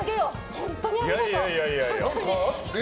本当にありがとう。